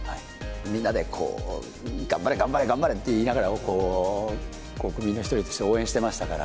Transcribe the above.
みんなでこう、頑張れ、頑張れ、頑張れと言いながら、国民の一人として応援してましたから。